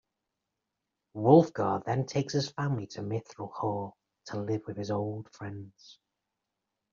Wulfgar then takes his family to Mithral Hall to live with his old friends.